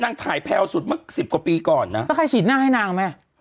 ถ่ายแพลวสุดเมื่อสิบกว่าปีก่อนนะแล้วใครฉีดหน้าให้นางแม่